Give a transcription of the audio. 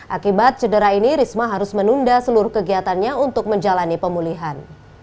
akibat cedera ini risma harus menunda seluruh kegiatannya untuk menjalani pemulihan